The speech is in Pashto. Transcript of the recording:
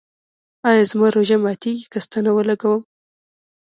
ایا زما روژه ماتیږي که ستنه ولګوم؟